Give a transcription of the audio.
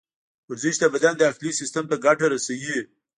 ورزش د بدن داخلي سیستم ته ګټه رسوي.